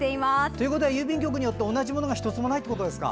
ということは郵便局によって同じものは１つもないということですか。